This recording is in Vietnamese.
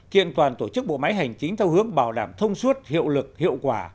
kiện toàn tổ chức bộ máy hành chính theo hướng bảo đảm thông suốt hiệu lực hiệu quả